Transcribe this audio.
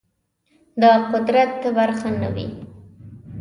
د قدرت برخه نه وي